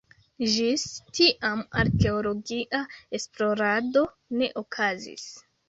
Ĝis tiam arkeologia esplorado ne okazis.